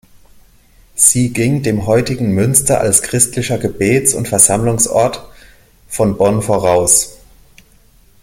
Sie ging dem heutigen Münster als christlicher Gebets- und Versammlungsort von Bonn voraus.